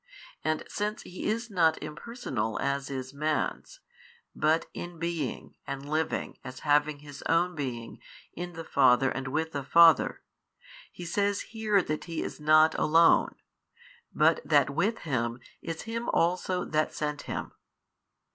And since He is not impersonal as is man's, but inbeing and Living as having His own Being in the Father and with the Father, He says here that He is not Alone, but that with Him is Him also That sent Him.